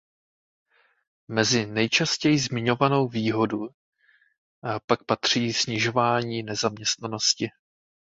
Mezi nejčastěji zmiňovanou výhodu pak patří snižování nezaměstnanosti.